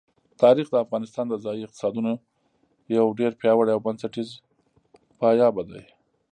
تاریخ د افغانستان د ځایي اقتصادونو یو ډېر پیاوړی او بنسټیز پایایه دی.